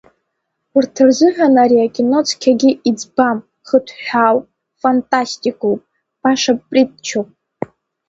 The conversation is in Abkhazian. Урҭ рзыҳәан ари акино цқьагьы иӡбам хыҭҳәаауп, фантастикоуп, баша притчоуп.